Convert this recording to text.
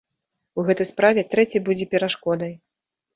У гэтай справе трэці будзе перашкодай.